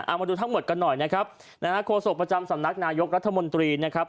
เอามาดูทั้งหมดกันหน่อยนะครับนะฮะโฆษกประจำสำนักนายกรัฐมนตรีนะครับ